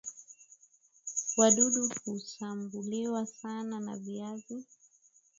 wadudu hushambulia sana na viazi